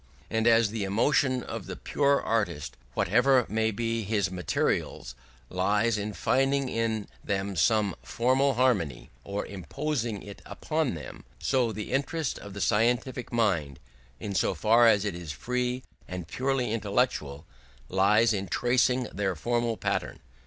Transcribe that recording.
And as the emotion of the pure artist, whatever may be his materials, lies in finding in them some formal harmony or imposing it upon them, so the interest of the scientific mind, in so far as it is free and purely intellectual, lies in tracing their formal pattern.